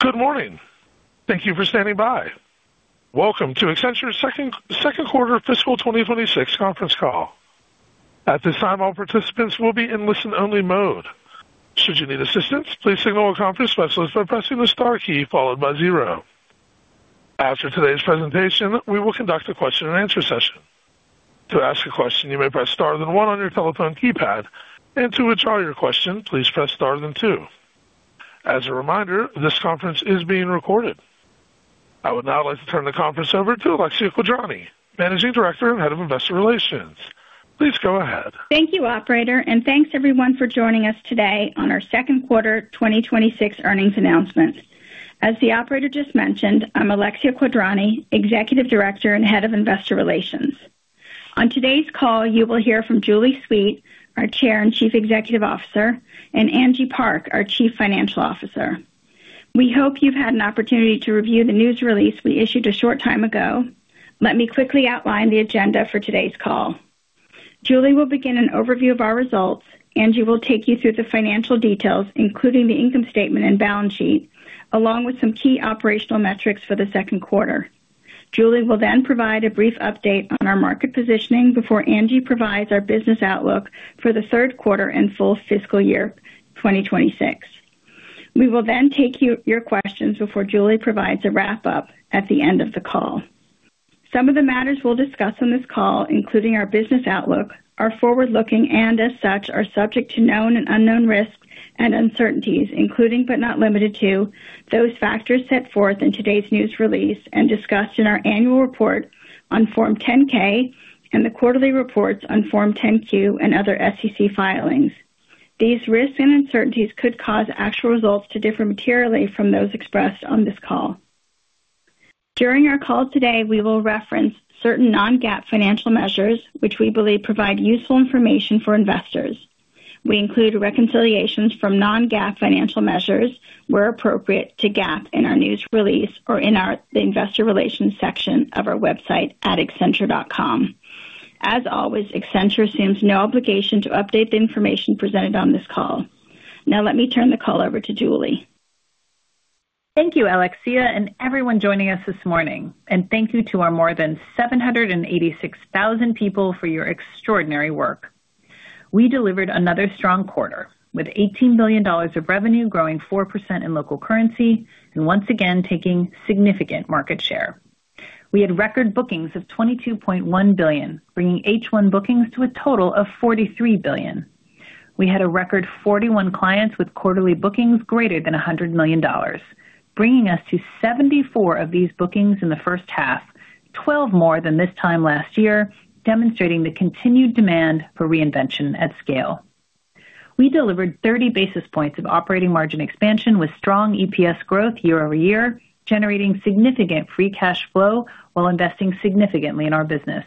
Good morning. Thank you for standing by. Welcome to Accenture's second quarter fiscal 2026 conference call. At this time, all participants will be in listen-only mode. Should you need assistance, please signal a conference specialist by pressing the star key followed by zero. After today's presentation, we will conduct a question-and-answer session. To ask a question, you may press star then one on your telephone keypad. To withdraw your question, please press star then two. As a reminder, this conference is being recorded. I would now like to turn the conference over to Alexia Quadrani, Managing Director and Head of Investor Relations. Please go ahead. Thank you, operator, and thanks everyone for joining us today on our second quarter 2026 earnings announcements. As the operator just mentioned, I'm Alexia Quadrani, Managing Director and Head of Investor Relations. On today's call, you will hear from Julie Sweet, our Chair and Chief Executive Officer, and Angie Park, our Chief Financial Officer. We hope you've had an opportunity to review the news release we issued a short time ago. Let me quickly outline the agenda for today's call. Julie will begin an overview of our results. Angie will take you through the financial details, including the income statement and balance sheet, along with some key operational metrics for the second quarter. Julie will then provide a brief update on our market positioning before Angie provides our business outlook for the third quarter and full fiscal year 2026. We will then take your questions before Julie provides a wrap-up at the end of the call. Some of the matters we'll discuss on this call, including our business outlook, are forward-looking and as such, are subject to known and unknown risks and uncertainties, including but not limited to those factors set forth in today's news release and discussed in our annual report on Form 10-K and the quarterly reports on Form 10-Q and other SEC filings. These risks and uncertainties could cause actual results to differ materially from those expressed on this call. During our call today, we will reference certain non-GAAP financial measures which we believe provide useful information for investors. We include reconciliations from non-GAAP financial measures where appropriate to GAAP in our news release or in the investor relations section of our website at accenture.com. As always, Accenture assumes no obligation to update the information presented on this call. Now let me turn the call over to Julie. Thank you, Alexia, and everyone joining us this morning. Thank you to our more than 786,000 people for your extraordinary work. We delivered another strong quarter with $18 billion of revenue growing 4% in local currency and once again taking significant market share. We had record bookings of $22.1 billion, bringing H1 bookings to a total of $43 billion. We had a record 41 clients with quarterly bookings greater than $100 million, bringing us to 74 of these bookings in the first half, 12 more than this time last year, demonstrating the continued demand for reinvention at scale. We delivered 30 basis points of operating margin expansion with strong EPS growth year-over-year, generating significant free cash flow while investing significantly in our business.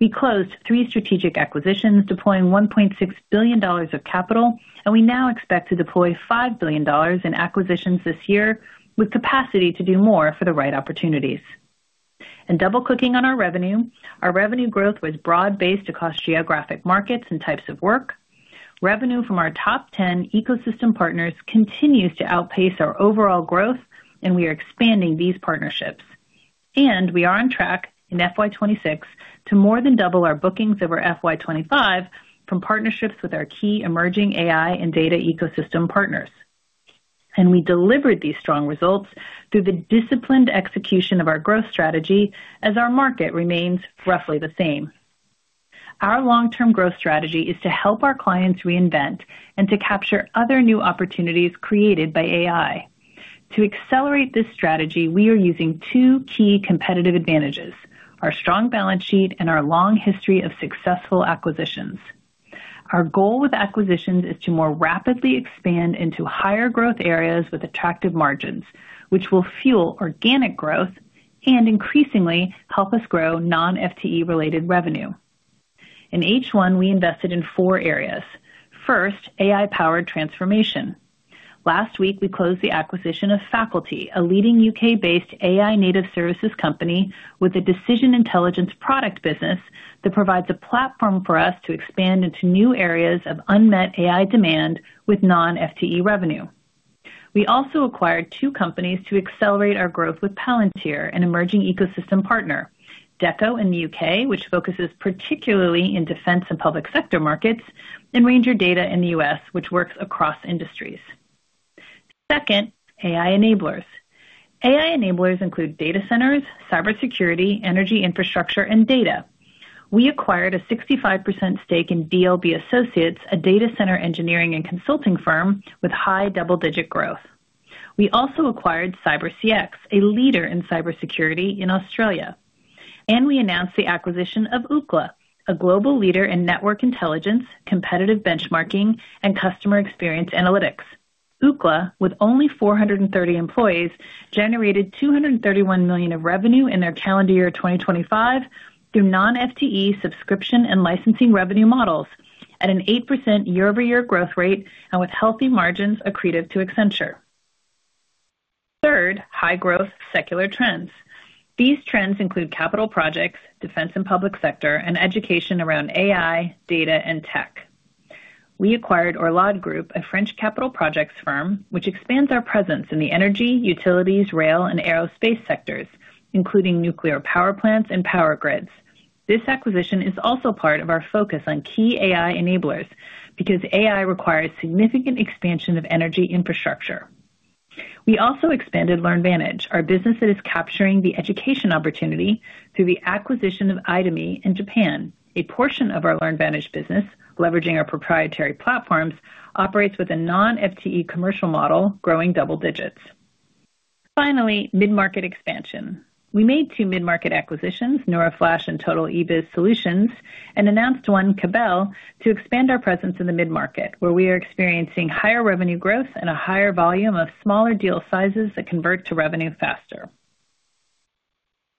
We closed 3 strategic acquisitions, deploying $1.6 billion of capital, and we now expect to deploy $5 billion in acquisitions this year with capacity to do more for the right opportunities. In double clicking on our revenue, our revenue growth was broad-based across geographic markets and types of work. Revenue from our top 10 ecosystem partners continues to outpace our overall growth and we are expanding these partnerships. We are on track in FY 2026 to more than double our bookings over FY 2025 from partnerships with our key emerging AI and data ecosystem partners. We delivered these strong results through the disciplined execution of our growth strategy as our market remains roughly the same. Our long-term growth strategy is to help our clients reinvent and to capture other new opportunities created by AI. To accelerate this strategy, we are using two key competitive advantages, our strong balance sheet and our long history of successful acquisitions. Our goal with acquisitions is to more rapidly expand into higher growth areas with attractive margins, which will fuel organic growth and increasingly help us grow non-FTE related revenue. In H1, we invested in four areas. First, AI-powered transformation. Last week, we closed the acquisition of Faculty, a leading UK-based AI native services company with a decision intelligence product business that provides a platform for us to expand into new areas of unmet AI demand with non-FTE revenue. We also acquired two companies to accelerate our growth with Palantir, an emerging ecosystem partner. Deco in the UK, which focuses particularly in defense and public sector markets, and Ranger Data in the US, which works across industries. Second, AI enablers. AI enablers include data centers, cybersecurity, energy infrastructure, and data. We acquired a 65% stake in DLB Associates, a data center engineering and consulting firm with high double-digit growth. We also acquired CyberCX, a leader in cybersecurity in Australia. We announced the acquisition of Ookla, a global leader in network intelligence, competitive benchmarking, and customer experience analytics. Ookla, with only 430 employees, generated $231 million of revenue in their calendar year 2025 through non-FTE subscription and licensing revenue models at an 8% year-over-year growth rate and with healthy margins accretive to Accenture. Third, high-growth secular trends. These trends include capital projects, defense and public sector, and education around AI, data, and tech. We acquired Orlade Group, a French capital projects firm which expands our presence in the energy, utilities, rail, and aerospace sectors, including nuclear power plants and power grids. This acquisition is also part of our focus on key AI enablers because AI requires significant expansion of energy infrastructure. We also expanded LearnVantage, our business that is capturing the education opportunity through the acquisition of IDOMI in Japan. A portion of our LearnVantage business, leveraging our proprietary platforms, operates with a non-FTE commercial model, growing double digits. Finally, mid-market expansion. We made two mid-market acquisitions, Neuroflash and Total eBiz Solutions, and announced one, Cabel, to expand our presence in the mid-market, where we are experiencing higher revenue growth and a higher volume of smaller deal sizes that convert to revenue faster.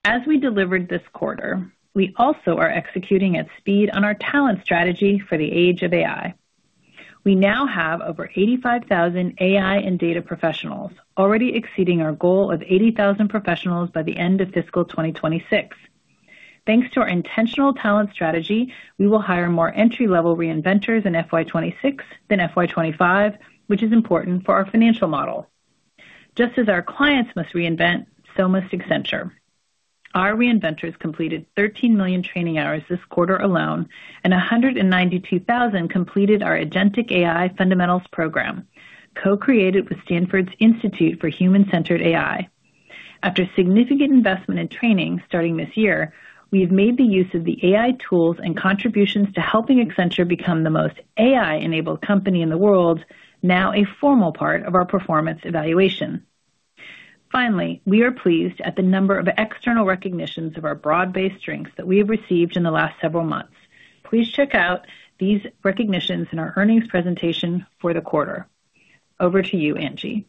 As we delivered this quarter, we also are executing at speed on our talent strategy for the age of AI. We now have over 85,000 AI and data professionals, already exceeding our goal of 80,000 professionals by the end of fiscal 2026. Thanks to our intentional talent strategy, we will hire more entry-level reinventors in FY 2026 than FY 2025, which is important for our financial model. Just as our clients must reinvent, so must Accenture. Our reinventors completed 13 million training hours this quarter alone, and 192,000 completed our Agentic AI Fundamentals program, co-created with Stanford's Institute for Human-Centered AI. After significant investment in training starting this year, we have made the use of the AI tools and contributions to helping Accenture become the most AI-enabled company in the world, now a formal part of our performance evaluation. Finally, we are pleased at the number of external recognitions of our broad-based strengths that we have received in the last several months. Please check out these recognitions in our earnings presentation for the quarter. Over to you, Angie.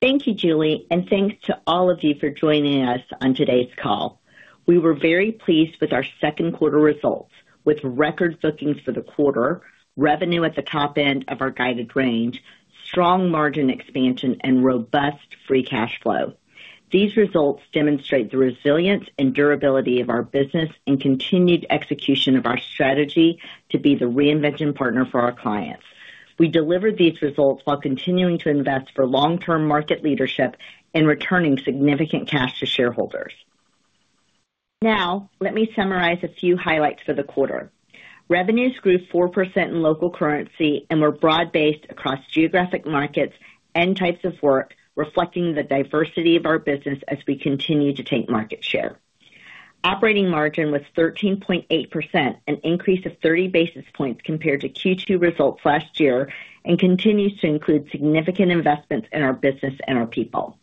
Thank you, Julie. Thanks to all of you for joining us on today's call. We were very pleased with our second quarter results with record bookings for the quarter, revenue at the top end of our guided range, strong margin expansion, and robust free cash flow. These results demonstrate the resilience and durability of our business and continued execution of our strategy to be the reinvention partner for our clients. We delivered these results while continuing to invest for long-term market leadership and returning significant cash to shareholders. Now, let me summarize a few highlights for the quarter. Revenues grew 4% in local currency and were broad-based across geographic markets and types of work, reflecting the diversity of our business as we continue to take market share. Operating margin was 13.8%, an increase of 30 basis points compared to Q2 results last year, and continues to include significant investments in our business and our people.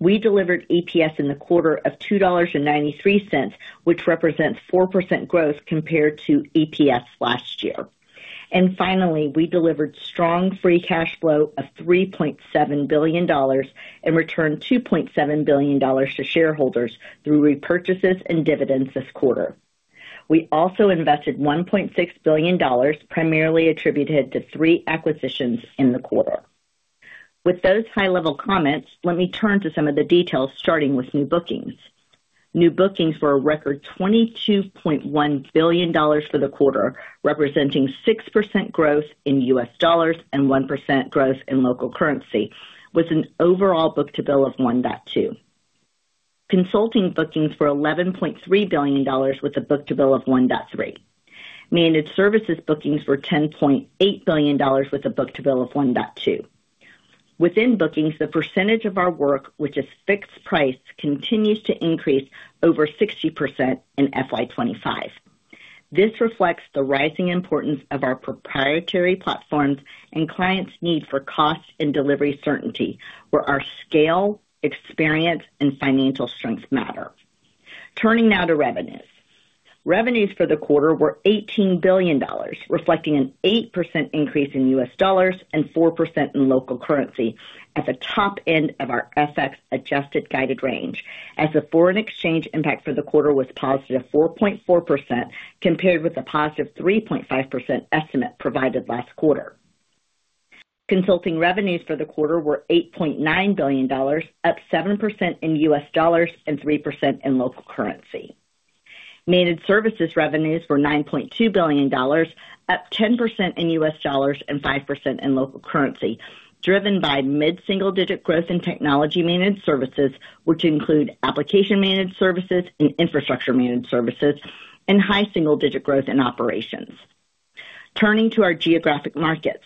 We delivered EPS in the quarter of $2.93, which represents 4% growth compared to EPS last year. Finally, we delivered strong free cash flow of $3.7 billion and returned $2.7 billion to shareholders through repurchases and dividends this quarter. We also invested $1.6 billion, primarily attributed to 3 acquisitions in the quarter. With those high-level comments, let me turn to some of the details, starting with new bookings. New bookings were a record $22.1 billion for the quarter, representing 6% growth in US dollars and 1% growth in local currency, with an overall book-to-bill of 1.2. Consulting bookings were $11.3 billion with a book-to-bill of 1.3. Managed services bookings were $10.8 billion with a book-to-bill of 1.2. Within bookings, the percentage of our work which is fixed price continues to increase over 60% in FY 2025. This reflects the rising importance of our proprietary platforms and clients' need for cost and delivery certainty, where our scale, experience, and financial strength matter. Revenues for the quarter were $18 billion, reflecting an 8% increase in US dollars and 4% in local currency at the top end of our FX-adjusted guided range, as the foreign exchange impact for the quarter was +4.4%, compared with a +3.5% estimate provided last quarter. Consulting revenues for the quarter were $8.9 billion, up 7% in US dollars and 3% in local currency. Managed services revenues were $9.2 billion, up 10% in US dollars and 5% in local currency, driven by mid-single-digit growth in technology-managed services, which include application-managed services and infrastructure-managed services, and high single-digit growth in operations. Turning to our geographic markets.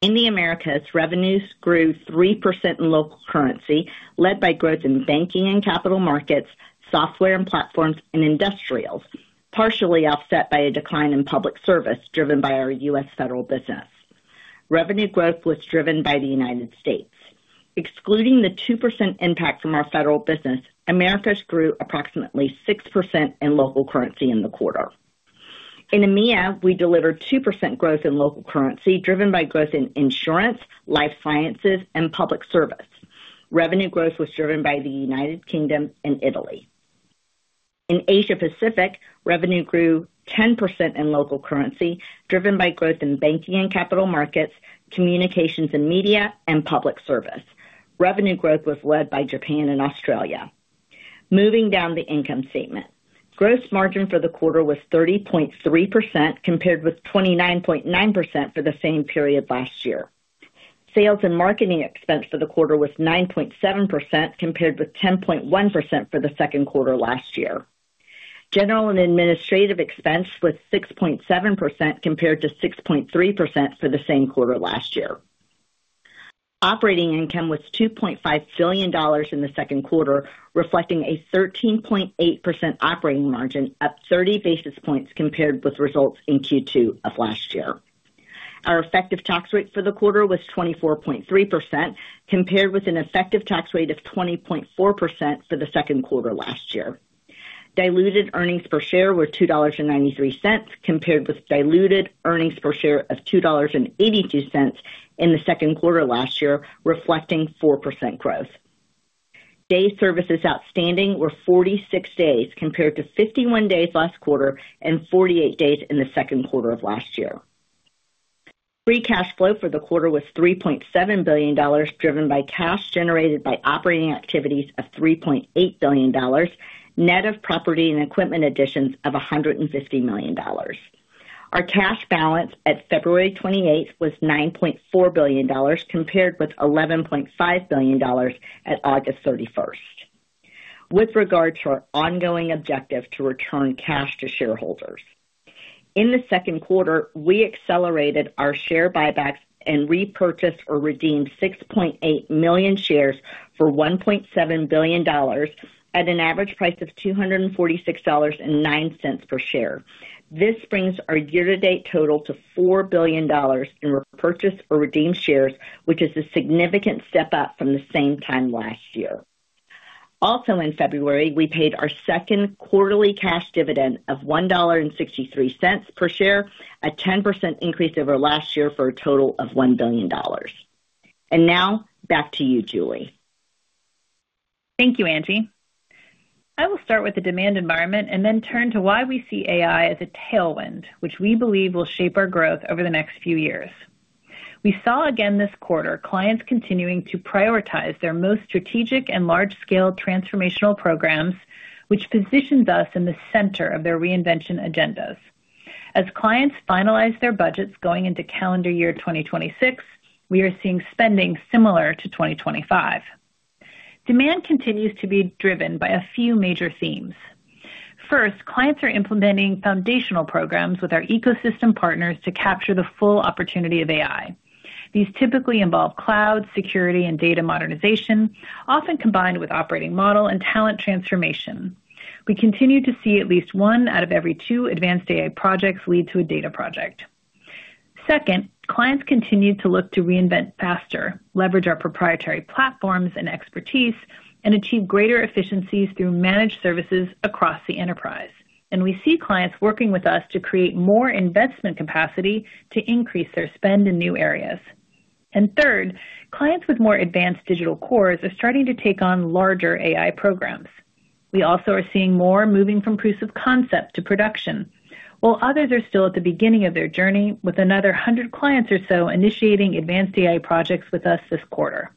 In the Americas, revenues grew 3% in local currency, led by growth in banking and capital markets, software and platforms, and industrials, partially offset by a decline in public service driven by our US federal business. Revenue growth was driven by the United States. Excluding the 2% impact from our federal business, Americas grew approximately 6% in local currency in the quarter. In EMEA, we delivered 2% growth in local currency, driven by growth in insurance, life sciences, and public service. Revenue growth was driven by the United Kingdom and Italy. In Asia Pacific, revenue grew 10% in local currency, driven by growth in banking and capital markets, communications and media, and public service. Revenue growth was led by Japan and Australia. Moving down the income statement. Gross margin for the quarter was 30.3% compared with 29.9% for the same period last year. Sales and marketing expense for the quarter was 9.7% compared with 10.1% for the second quarter last year. General and administrative expense was 6.7% compared to 6.3% for the same quarter last year. Operating income was $2.5 billion in the second quarter, reflecting a 13.8% operating margin, up 30 basis points compared with results in Q2 of last year. Our effective tax rate for the quarter was 24.3% compared with an effective tax rate of 20.4% for the second quarter last year. Diluted earnings per share were $2.93 compared with diluted earnings per share of $2.82 in the second quarter last year, reflecting 4% growth. Days services outstanding were 46 days compared to 51 days last quarter and 48 days in the second quarter of last year. Free cash flow for the quarter was $3.7 billion, driven by cash generated by operating activities of $3.8 billion, net of property and equipment additions of $150 million. Our cash balance at February 28 was $9.4 billion compared with $11.5 billion at August 31. With regard to our ongoing objective to return cash to shareholders. In the second quarter, we accelerated our share buybacks and repurchased or redeemed 6.8 million shares for $1.7 billion at an average price of $246.09 per share. This brings our year-to-date total to $4 billion in repurchase or redeemed shares, which is a significant step up from the same time last year. Also in February, we paid our second quarterly cash dividend of $1.63 per share, a 10% increase over last year for a total of $1 billion. Now back to you, Julie. Thank you, Angie. I will start with the demand environment and then turn to why we see AI as a tailwind, which we believe will shape our growth over the next few years. We saw again this quarter, clients continuing to prioritize their most strategic and large-scale transformational programs, which positions us in the center of their reinvention agendas. As clients finalize their budgets going into calendar year 2026, we are seeing spending similar to 2025. Demand continues to be driven by a few major themes. First, clients are implementing foundational programs with our ecosystem partners to capture the full opportunity of AI. These typically involve cloud, security and data modernization, often combined with operating model and talent transformation. We continue to see at least one out of every two advanced AI projects lead to a data project. Second, clients continue to look to reinvent faster, leverage our proprietary platforms and expertise, and achieve greater efficiencies through managed services across the enterprise. We see clients working with us to create more investment capacity to increase their spend in new areas. Third, clients with more advanced digital cores are starting to take on larger AI programs. We also are seeing more moving from proof of concept to production, while others are still at the beginning of their journey with another 100 clients or so initiating advanced AI projects with us this quarter.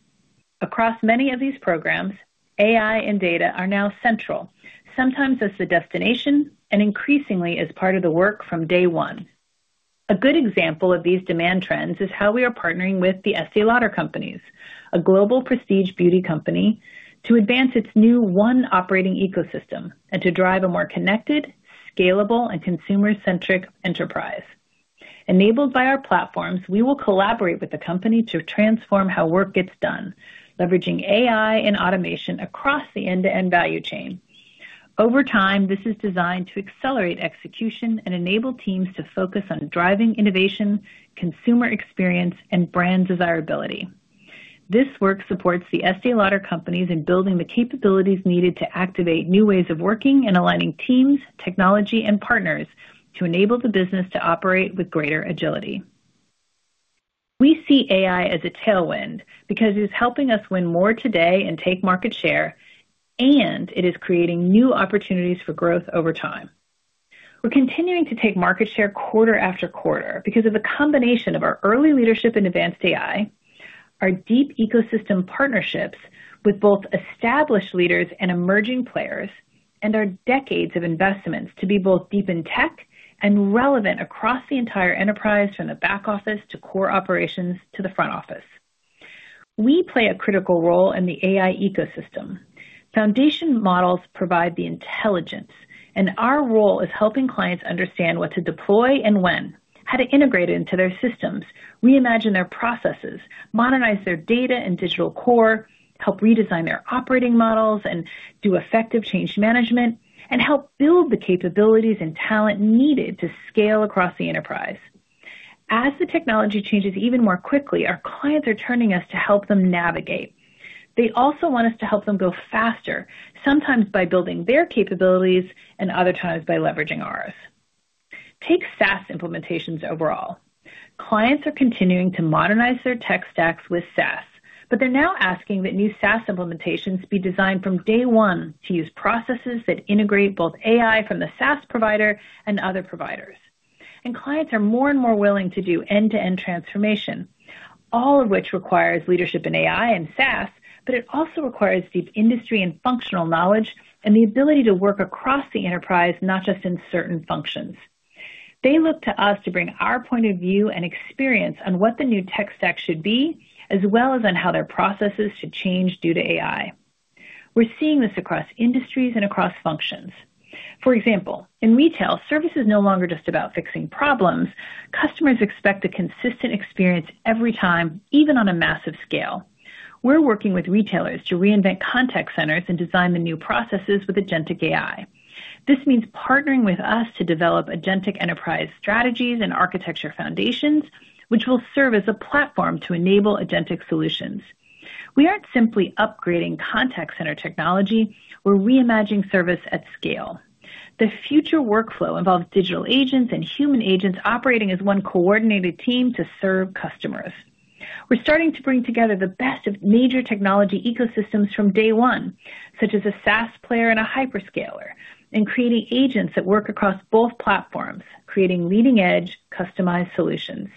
Across many of these programs, AI and data are now central, sometimes as the destination and increasingly as part of the work from day one. A good example of these demand trends is how we are partnering with The Estée Lauder Companies, a global prestige beauty company, to advance its new one operating ecosystem and to drive a more connected, scalable and consumer-centric enterprise. Enabled by our platforms, we will collaborate with the company to transform how work gets done, leveraging AI and automation across the end-to-end value chain. Over time, this is designed to accelerate execution and enable teams to focus on driving innovation, consumer experience, and brand desirability. This work supports The Estée Lauder Companies in building the capabilities needed to activate new ways of working and aligning teams, technology and partners to enable the business to operate with greater agility. We see AI as a tailwind because it is helping us win more today and take market share, and it is creating new opportunities for growth over time. We're continuing to take market share quarter after quarter because of the combination of our early leadership in advanced AI, our deep ecosystem partnerships with both established leaders and emerging players, and our decades of investments to be both deep in tech and relevant across the entire enterprise, from the back office to core operations to the front office. We play a critical role in the AI ecosystem. Foundation models provide the intelligence, and our role is helping clients understand what to deploy and when, how to integrate it into their systems, reimagine their processes, modernize their data and digital core, help redesign their operating models and do effective change management, and help build the capabilities and talent needed to scale across the enterprise. As the technology changes even more quickly, our clients are turning to us to help them navigate. They also want us to help them go faster, sometimes by building their capabilities and other times by leveraging ours. Take SaaS implementations overall. Clients are continuing to modernize their tech stacks with SaaS, but they're now asking that new SaaS implementations be designed from day one to use processes that integrate both AI from the SaaS provider and other providers. Clients are more and more willing to do end-to-end transformation, all of which requires leadership in AI and SaaS, but it also requires deep industry and functional knowledge and the ability to work across the enterprise, not just in certain functions. They look to us to bring our point of view and experience on what the new tech stack should be, as well as on how their processes should change due to AI. We're seeing this across industries and across functions. For example, in retail, service is no longer just about fixing problems. Customers expect a consistent experience every time, even on a massive scale. We're working with retailers to reinvent contact centers and design the new processes with agentic AI. This means partnering with us to develop agentic enterprise strategies and architecture foundations, which will serve as a platform to enable agentic solutions. We aren't simply upgrading contact center technology, we're reimagining service at scale. The future workflow involves digital agents and human agents operating as one coordinated team to serve customers. We're starting to bring together the best of major technology ecosystems from day one, such as a SaaS player and a hyperscaler, and creating agents that work across both platforms, creating leading-edge customized solutions.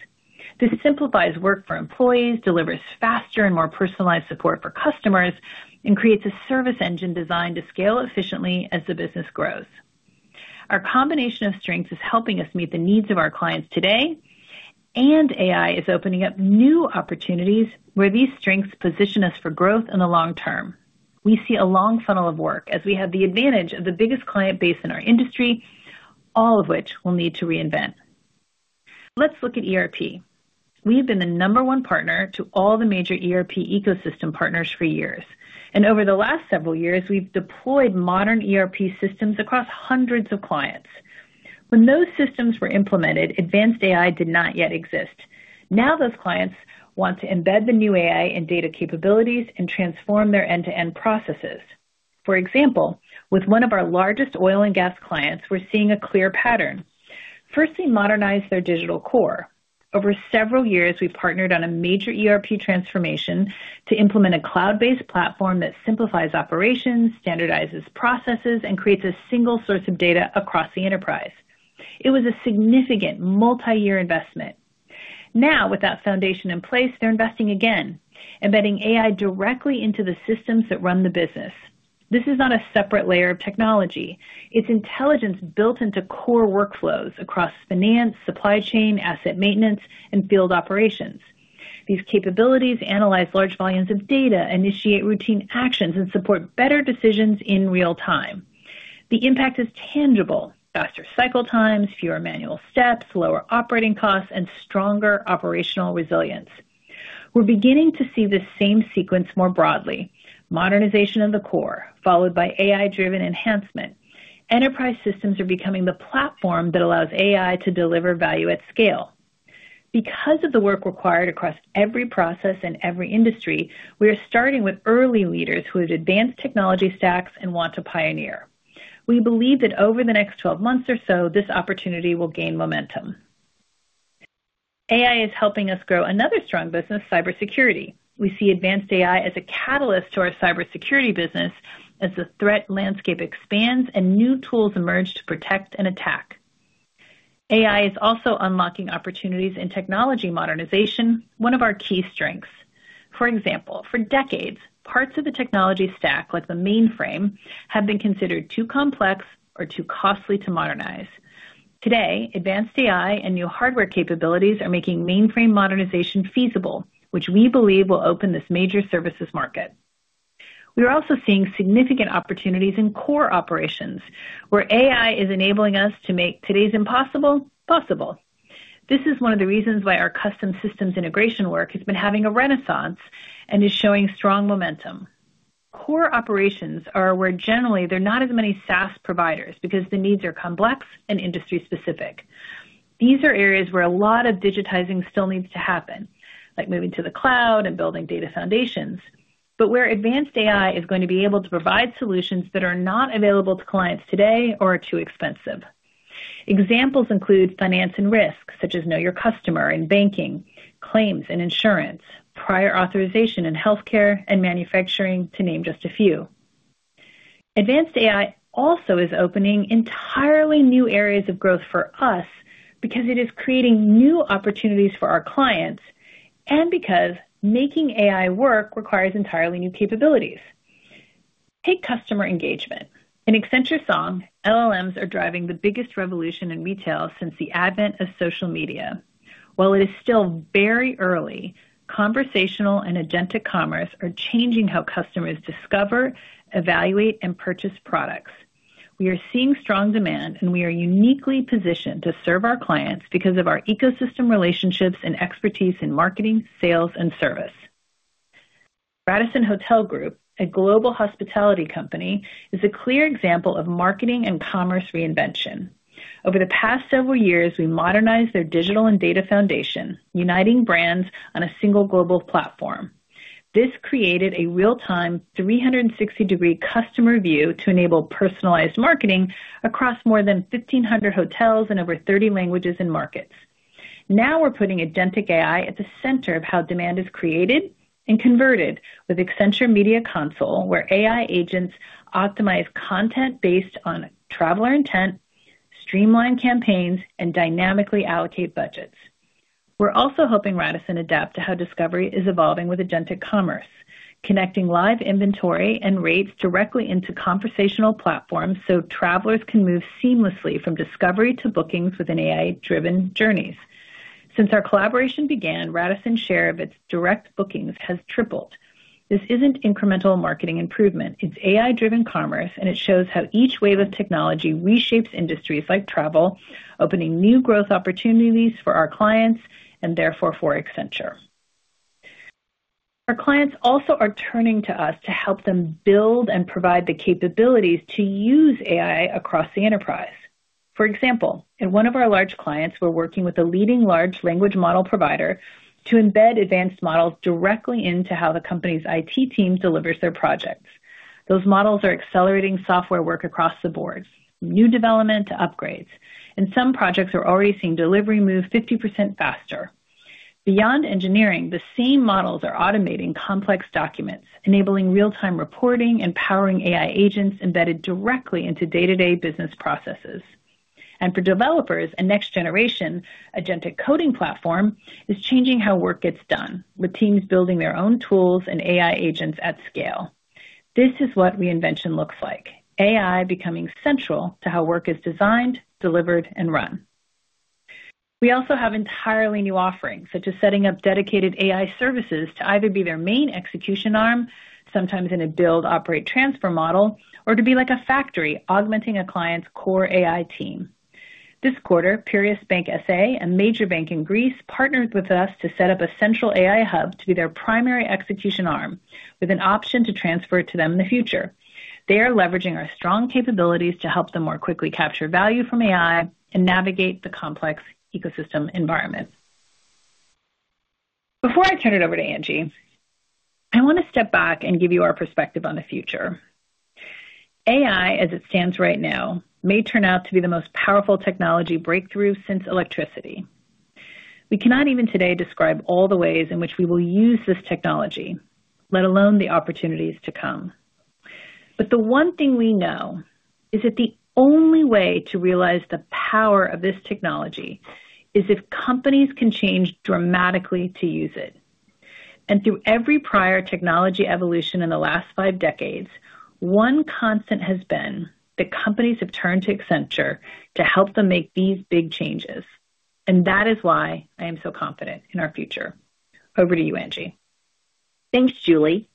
This simplifies work for employees, delivers faster and more personalized support for customers, and creates a service engine designed to scale efficiently as the business grows. Our combination of strengths is helping us meet the needs of our clients today, and AI is opening up new opportunities where these strengths position us for growth in the long term. We see a long funnel of work as we have the advantage of the biggest client base in our industry, all of which we'll need to reinvent. Let's look at ERP. We have been the number one partner to all the major ERP ecosystem partners for years, and over the last several years, we've deployed modern ERP systems across hundreds of clients. When those systems were implemented, advanced AI did not yet exist. Now, those clients want to embed the new AI and data capabilities and transform their end-to-end processes. For example, with one of our largest oil and gas clients, we're seeing a clear pattern. First, they modernized their digital core. Over several years, we partnered on a major ERP transformation to implement a cloud-based platform that simplifies operations, standardizes processes, and creates a single source of data across the enterprise. It was a significant multi-year investment. Now, with that foundation in place, they're investing again, embedding AI directly into the systems that run the business. This is not a separate layer of technology. It's intelligence built into core workflows across finance, supply chain, asset maintenance, and field operations. These capabilities analyze large volumes of data, initiate routine actions, and support better decisions in real time. The impact is tangible. Faster cycle times, fewer manual steps, lower operating costs, and stronger operational resilience. We're beginning to see this same sequence more broadly. Modernization of the core, followed by AI-driven enhancement. Enterprise systems are becoming the platform that allows AI to deliver value at scale. Because of the work required across every process and every industry, we are starting with early leaders who have advanced technology stacks and want to pioneer. We believe that over the next 12 months or so, this opportunity will gain momentum. AI is helping us grow another strong business, cybersecurity. We see advanced AI as a catalyst to our cybersecurity business as the threat landscape expands and new tools emerge to protect and attack. AI is also unlocking opportunities in technology modernization, one of our key strengths. For example, for decades, parts of the technology stack, like the mainframe, have been considered too complex or too costly to modernize. Today, advanced AI and new hardware capabilities are making mainframe modernization feasible, which we believe will open this major services market. We are also seeing significant opportunities in core operations, where AI is enabling us to make today's impossible, possible. This is one of the reasons why our custom systems integration work has been having a renaissance and is showing strong momentum. Core operations are where generally there are not as many SaaS providers because the needs are complex and industry-specific. These are areas where a lot of digitizing still needs to happen, like moving to the cloud and building data foundations. Where advanced AI is going to be able to provide solutions that are not available to clients today or are too expensive. Examples include finance and risk, such as know your customer in banking, claims and insurance, prior authorization in healthcare and manufacturing, to name just a few. Advanced AI also is opening entirely new areas of growth for us because it is creating new opportunities for our clients and because making AI work requires entirely new capabilities. Take customer engagement. In Accenture Song, LLMs are driving the biggest revolution in retail since the advent of social media. While it is still very early, conversational and agentic commerce are changing how customers discover, evaluate, and purchase products. We are seeing strong demand, and we are uniquely positioned to serve our clients because of our ecosystem relationships and expertise in marketing, sales, and service. Radisson Hotel Group, a global hospitality company, is a clear example of marketing and commerce reinvention. Over the past several years, we modernized their digital and data foundation, uniting brands on a single global platform. This created a real-time 360-degree customer view to enable personalized marketing across more than 1,500 hotels and over 30 languages and markets. Now we're putting agentic AI at the center of how demand is created and converted with Accenture Media Console, where AI agents optimize content based on traveler intent, streamline campaigns, and dynamically allocate budgets. We're also helping Radisson adapt to how discovery is evolving with agentic commerce, connecting live inventory and rates directly into conversational platforms so travelers can move seamlessly from discovery to bookings within AI-driven journeys. Since our collaboration began, Radisson's share of its direct bookings has tripled. This isn't incremental marketing improvement. It's AI-driven commerce, and it shows how each wave of technology reshapes industries like travel, opening new growth opportunities for our clients and therefore for Accenture. Our clients also are turning to us to help them build and provide the capabilities to use AI across the enterprise. For example, in one of our large clients, we're working with a leading large language model provider to embed advanced models directly into how the company's IT team delivers their projects. Those models are accelerating software work across the board, new development to upgrades, and some projects are already seeing delivery move 50% faster. Beyond engineering, the same models are automating complex documents, enabling real-time reporting and powering AI agents embedded directly into day-to-day business processes. For developers, a next-generation agentic coding platform is changing how work gets done, with teams building their own tools and AI agents at scale. This is what reinvention looks like. AI becoming central to how work is designed, delivered, and run. We also have entirely new offerings, such as setting up dedicated AI services to either be their main execution arm, sometimes in a build, operate, transfer model, or to be like a factory, augmenting a client's core AI team. This quarter, Piraeus Bank S.A., a major bank in Greece, partnered with us to set up a central AI hub to be their primary execution arm with an option to transfer it to them in the future. They are leveraging our strong capabilities to help them more quickly capture value from AI and navigate the complex ecosystem environment. Before I turn it over to Angie, I want to step back and give you our perspective on the future. AI, as it stands right now, may turn out to be the most powerful technology breakthrough since electricity. We cannot even today describe all the ways in which we will use this technology, let alone the opportunities to come. The one thing we know is that the only way to realize the power of this technology is if companies can change dramatically to use it. Through every prior technology evolution in the last five decades, one constant has been that companies have turned to Accenture to help them make these big changes. That is why I am so confident in our future. Over to you, Angie. Thanks, Julie.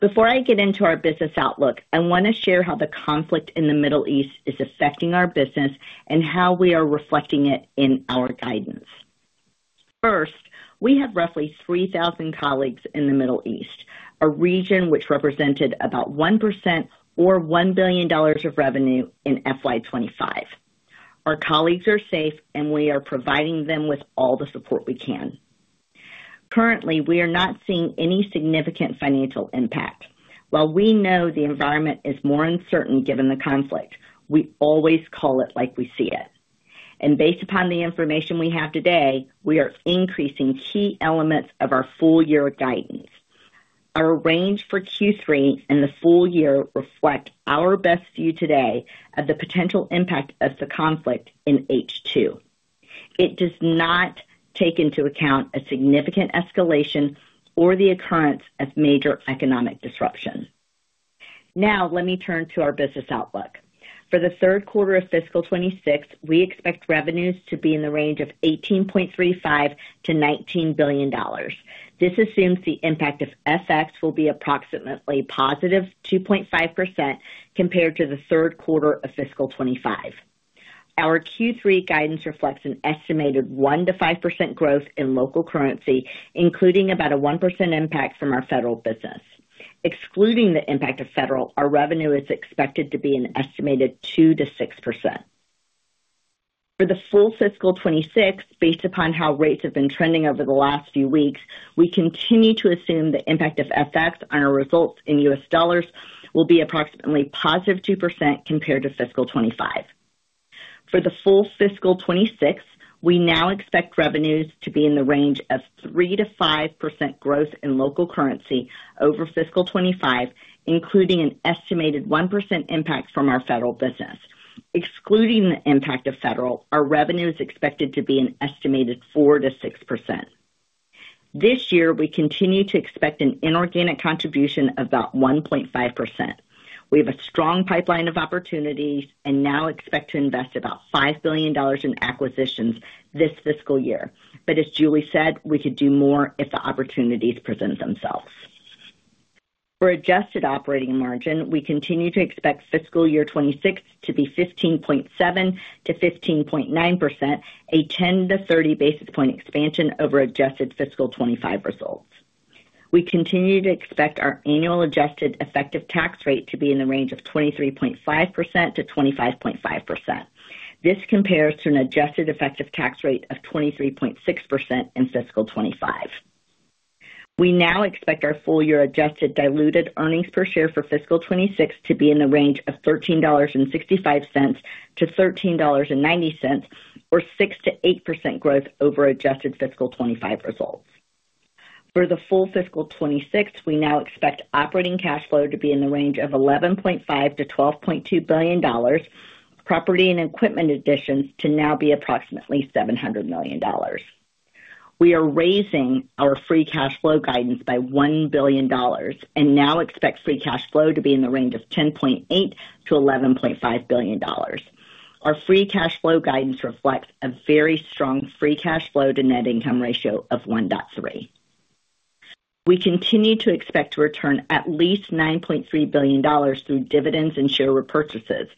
Before I get into our business outlook, I want to share how the conflict in the Middle East is affecting our business and how we are reflecting it in our guidance. First, we have roughly 3,000 colleagues in the Middle East, a region which represented about 1% or $1 billion of revenue in FY 2025. Our colleagues are safe, and we are providing them with all the support we can. Currently, we are not seeing any significant financial impact. While we know the environment is more uncertain given the conflict, we always call it like we see it. Based upon the information we have today, we are increasing key elements of our full-year guidance. Our range for Q3 and the full year reflect our best view today of the potential impact of the conflict in H2. It does not take into account a significant escalation or the occurrence of major economic disruption. Now let me turn to our business outlook. For the third quarter of fiscal 2026, we expect revenues to be in the range of $18.35 billion-$19 billion. This assumes the impact of FX will be approximately +2.5% compared to the third quarter of fiscal 2025. Our Q3 guidance reflects an estimated 1%-5% growth in local currency, including about a 1% impact from our federal business. Excluding the impact of federal, our revenue is expected to be an estimated 2%-6%. For the full fiscal 2026, based upon how rates have been trending over the last few weeks, we continue to assume the impact of FX on our results in US dollars will be approximately +2% compared to fiscal 2025. For the full fiscal 2026, we now expect revenues to be in the range of 3%-5% growth in local currency over fiscal 2025, including an estimated 1% impact from our federal business. Excluding the impact of federal, our revenue is expected to be an estimated 4%-6%. This year, we continue to expect an inorganic contribution of about 1.5%. We have a strong pipeline of opportunities and now expect to invest about $5 billion in acquisitions this fiscal year. As Julie said, we could do more if the opportunities present themselves. For adjusted operating margin, we continue to expect fiscal year 2026 to be 15.7%-15.9%, a 10-30 basis point expansion over adjusted fiscal 2025 results. We continue to expect our annual adjusted effective tax rate to be in the range of 23.5%-25.5%. This compares to an adjusted effective tax rate of 23.6% in fiscal 2025. We now expect our full year adjusted diluted earnings per share for fiscal 2026 to be in the range of $13.65-$13.90, or 6%-8% growth over adjusted fiscal 2025 results. For the full fiscal 2026, we now expect operating cash flow to be in the range of $11.5 billion-$12.2 billion, property and equipment additions to now be approximately $700 million. We are raising our free cash flow guidance by $1 billion and now expect free cash flow to be in the range of $10.8 billion-$11.5 billion. Our free cash flow guidance reflects a very strong free cash flow to net income ratio of 1.3. We continue to expect to return at least $9.3 billion through dividends and share repurchases,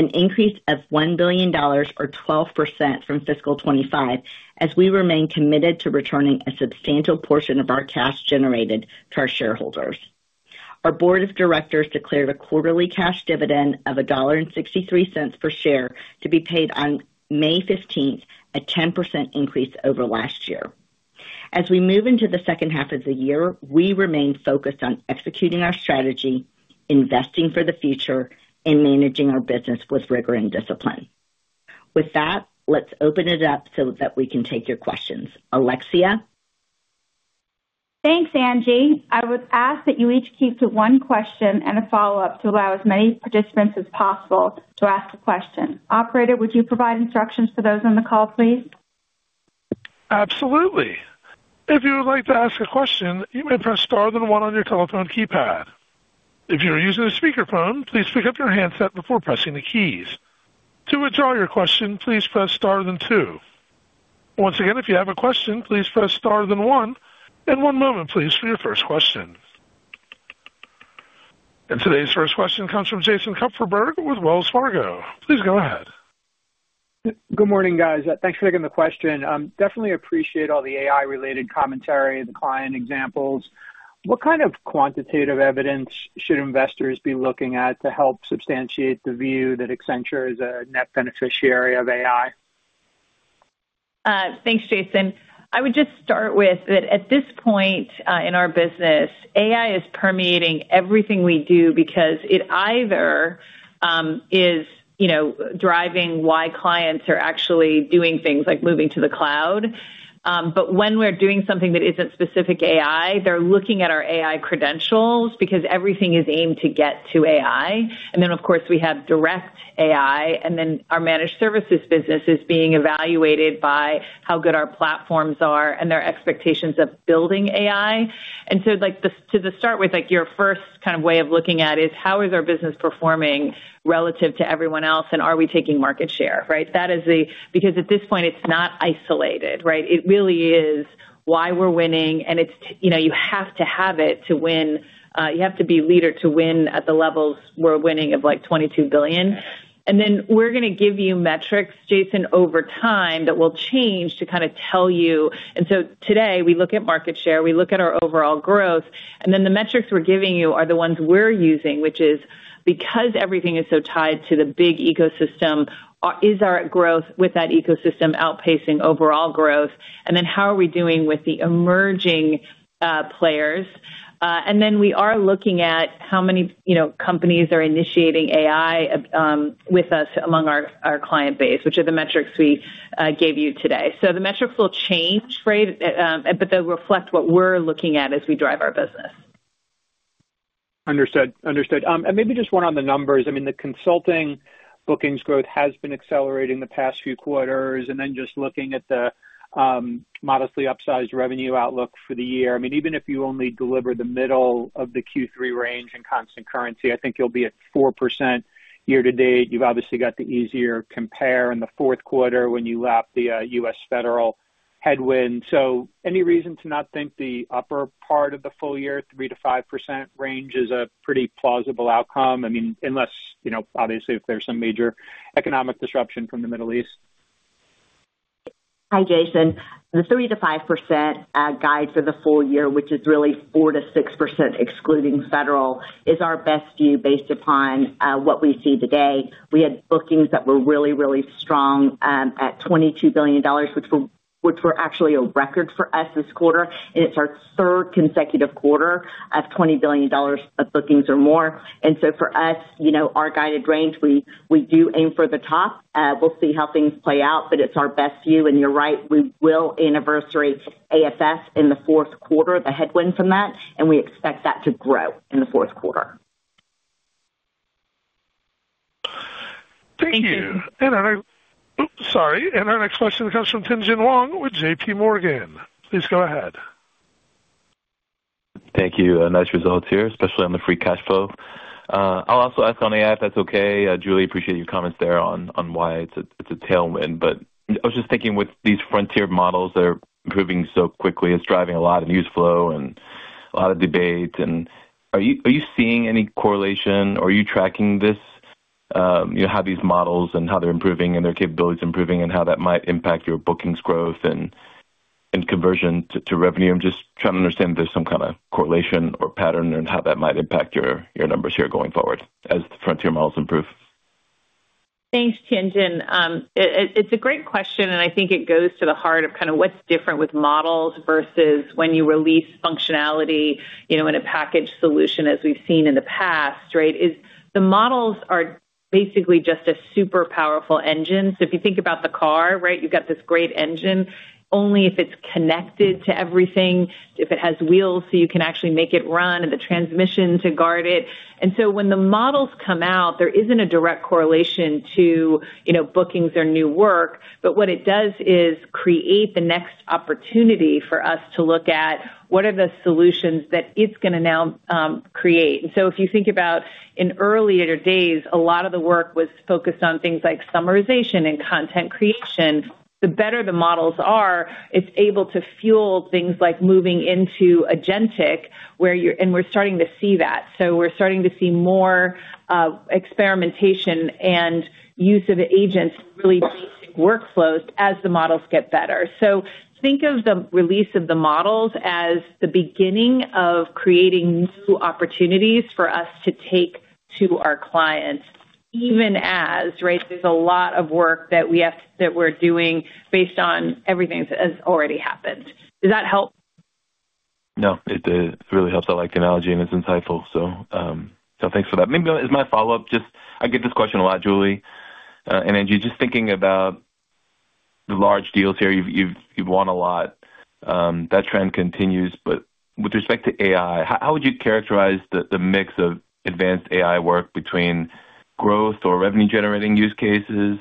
an increase of $1 billion or 12% from fiscal 2025 as we remain committed to returning a substantial portion of our cash generated to our shareholders. Our board of directors declared a quarterly cash dividend of $1.63 per share to be paid on May 15, a 10% increase over last year. As we move into the second half of the year, we remain focused on executing our strategy, investing for the future, and managing our business with rigor and discipline. With that, let's open it up so that we can take your questions. Alexia? Thanks, Angie. I would ask that you each keep to one question and a follow-up to allow as many participants as possible to ask a question. Operator, would you provide instructions to those on the call, please? Absolutely. If you would like to ask a question, you may press star then one on your telephone keypad. If you are using a speakerphone, please pick up your handset before pressing the keys. To withdraw your question, please press star then two. Once again, if you have a question, please press star then one, and one moment, please, for your first question. Today's first question comes from Jason Kupferberg with Wells Fargo. Please go ahead. Good morning, guys. Thanks for taking the question. Definitely appreciate all the AI-related commentary and client examples. What kind of quantitative evidence should investors be looking at to help substantiate the view that Accenture is a net beneficiary of AI? Thanks, Jason. I would just start with that at this point, in our business, AI is permeating everything we do because it either is, you know, driving why clients are actually doing things like moving to the cloud. When we're doing something that isn't specific AI, they're looking at our AI credentials because everything is aimed to get to AI. Of course, we have direct AI, and then our managed services business is being evaluated by how good our platforms are and their expectations of building AI. Like, your first kind of way of looking at is how is our business performing relative to everyone else, and are we taking market share, right? That is because at this point, it's not isolated, right? It really is why we're winning. It's, you know, you have to have it to win. You have to be leader to win at the levels we're winning of, like, $22 billion. We're gonna give you metrics, Jason, over time that will change to kind of tell you. Today, we look at market share, we look at our overall growth, and then the metrics we're giving you are the ones we're using, which is because everything is so tied to the big ecosystem, is our growth with that ecosystem outpacing overall growth? How are we doing with the emerging players? We are looking at how many, you know, companies are initiating AI with us among our client base, which are the metrics we gave you today. The metrics will change, right? They'll reflect what we're looking at as we drive our business. Understood. Maybe just one on the numbers. I mean, the consulting bookings growth has been accelerating the past few quarters. Then just looking at the modestly upsized revenue outlook for the year. I mean, even if you only deliver the middle of the Q3 range in constant currency, I think you'll be at 4% year-to-date. You've obviously got the easier compare in the fourth quarter when you lap the U.S. federal headwind. Any reason to not think the upper part of the full year 3%-5% range is a pretty plausible outcome? I mean, unless you know, obviously if there's some major economic disruption from the Middle East. Hi, Jason. The 3%-5% guide for the full year, which is really 4%-6% excluding federal, is our best view based upon what we see today. We had bookings that were really, really strong at $22 billion which were actually a record for us this quarter, and it's our third consecutive quarter of $20 billion of bookings or more. For us, you know, our guided range, we do aim for the top. We'll see how things play out, but it's our best view. You're right, we will anniversary AFS in the fourth quarter, the headwind from that, and we expect that to grow in the fourth quarter. Thank you. Thank you. Our next question comes from Tien-Tsin Huang with J.P. Morgan. Please go ahead. Thank you. Nice results here, especially on the free cash flow. I'll also ask on AI if that's okay. I truly appreciate your comments there on why it's a tailwind. I was just thinking with these frontier models that are improving so quickly, it's driving a lot of news flow and a lot of debate. Are you seeing any correlation or are you tracking this, you know, how these models and how they're improving and their capabilities improving and how that might impact your bookings growth and conversion to revenue? I'm just trying to understand if there's some kind of correlation or pattern and how that might impact your numbers here going forward as the frontier models improve. Thanks, Tien-Tsin Huang. It's a great question, and I think it goes to the heart of kind of what's different with models versus when you release functionality, you know, in a packaged solution as we've seen in the past, right? The models are basically just a super powerful engine. If you think about the car, right, you've got this great engine. Only if it's connected to everything, if it has wheels, so you can actually make it run and the transmission to guide it. When the models come out, there isn't a direct correlation to, you know, bookings or new work. What it does is create the next opportunity for us to look at what are the solutions that it's gonna now create. If you think about in earlier days, a lot of the work was focused on things like summarization and content creation. The better the models are, it's able to fuel things like moving into agentic, and we're starting to see that. We're starting to see more experimentation and use of agents really basic workflows as the models get better. Think of the release of the models as the beginning of creating new opportunities for us to take to our clients, even as, right, there's a lot of work that we're doing based on everything that has already happened. Does that help? No, it did. It really helps. I like analogy, and it's insightful. Thanks for that. Maybe as my follow-up, just I get this question a lot, Julie. Angie, just thinking about the large deals here, you've won a lot. That trend continues. With respect to AI, how would you characterize the mix of advanced AI work between growth or revenue-generating use cases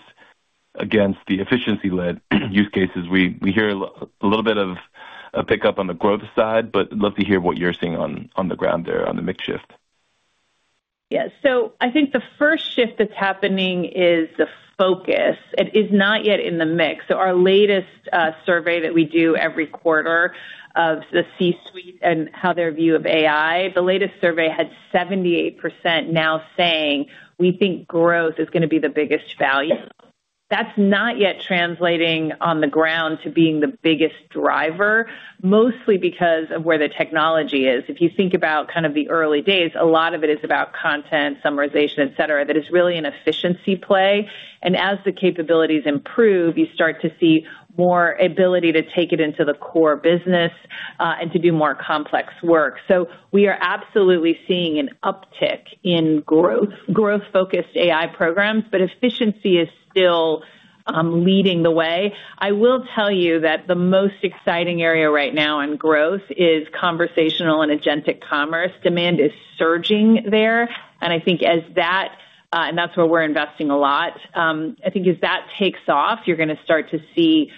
against the efficiency-led use cases? We hear a little bit of a pickup on the growth side, but I'd love to hear what you're seeing on the ground there on the mix shift. Yeah. I think the first shift that's happening is the focus. It is not yet in the mix. Our latest survey that we do every quarter of the C-suite and how their view of AI had 78% now saying, "We think growth is gonna be the biggest value." That's not yet translating on the ground to being the biggest driver, mostly because of where the technology is. If you think about kind of the early days, a lot of it is about content summarization, et cetera, that is really an efficiency play. As the capabilities improve, you start to see more ability to take it into the core business, and to do more complex work. We are absolutely seeing an uptick in growth-focused AI programs, but efficiency is still leading the way. I will tell you that the most exciting area right now in growth is conversational and agentic commerce. Demand is surging there. I think that's where we're investing a lot. I think as that takes off, you're gonna start to see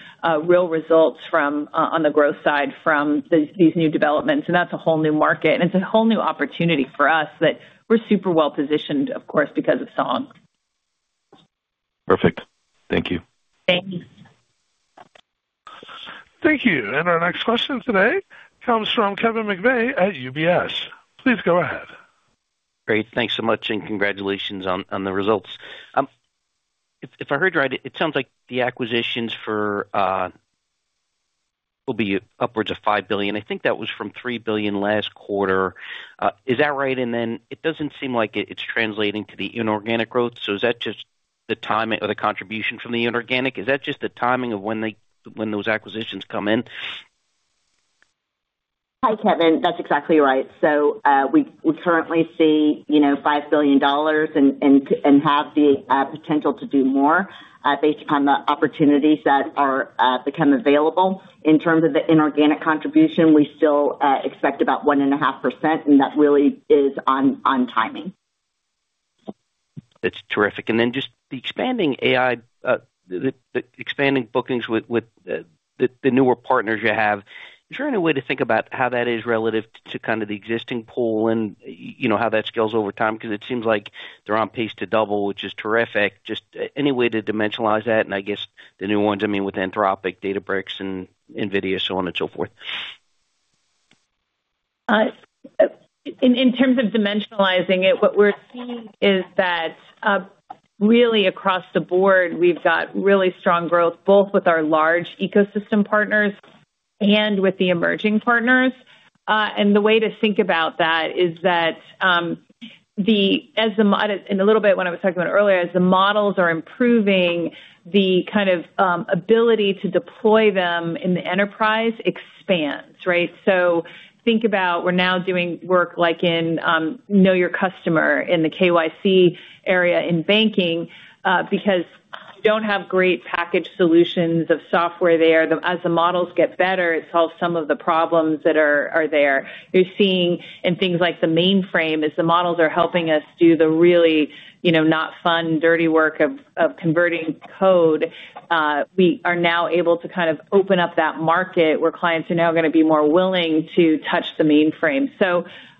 real results on the growth side from these new developments. That's a whole new market, and it's a whole new opportunity for us that we're super well positioned, of course, because of Song. Perfect. Thank you. Thank you. Thank you. Our next question today comes from Kevin McVeigh at UBS. Please go ahead. Great. Thanks so much, and congratulations on the results. If I heard you right, it sounds like the acquisitions for will be upwards of $5 billion. I think that was from $3 billion last quarter. Is that right? It doesn't seem like it's translating to the inorganic growth. Is that just the timing or the contribution from the inorganic? Is that just the timing of when those acquisitions come in? Hi, Kevin. That's exactly right. We currently see, you know, $5 billion and have the potential to do more based upon the opportunities that become available. In terms of the inorganic contribution, we still expect about 1.5%, and that really is on timing. That's terrific. Just the expanding AI, the expanding bookings with the newer partners you have, is there any way to think about how that is relative to kind of the existing pool and, you know, how that scales over time? Because it seems like they're on pace to double, which is terrific. Just any way to dimensionalize that, and I guess the new ones, I mean, with Anthropic, Databricks and NVIDIA, so on and so forth. In terms of dimensionalizing it, what we're seeing is that, really across the board, we've got really strong growth, both with our large ecosystem partners and with the emerging partners. The way to think about that is that, and a little bit when I was talking about earlier, as the models are improving, the kind of ability to deploy them in the enterprise expands, right? Think about we're now doing work like in know your customer in the KYC area in banking, because you don't have great packaged solutions or software there. As the models get better, it solves some of the problems that are there. You're seeing in things like the mainframe, as the models are helping us do the really, you know, not fun, dirty work of converting code, we are now able to kind of open up that market where clients are now gonna be more willing to touch the mainframe.